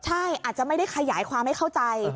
ใช่อาจจะไม่ได้ขยายความให้เข้าใจ